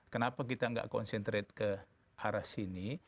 kenapa kita nggak konsentrat ke arah sini